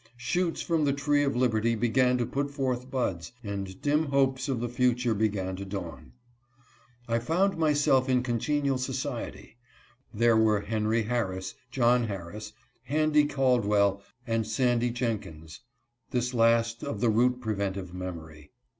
Shoots from the tree of liberty began to put forth buds, and dim hopes of the future began to dawn. I found myself in congenial society. There were Henry Harris, John Harris, Handy Caldwell, and Sandy Jen kins (this last, of the root preventive memory).